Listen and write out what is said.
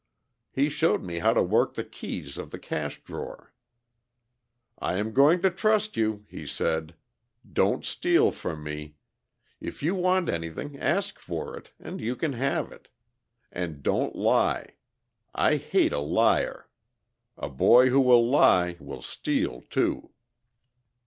"He showed me how to work the keys of the cash drawer. 'I am going to trust you,' he said. 'Don't steal from me; if you want anything ask for it, and you can have it. And don't lie; I hate a liar. A boy who will lie will steal, too.'